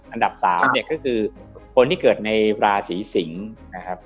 อันดับ๓เนี่ยก็คือคนที่เกิดในราศีสิงศ์นะครับ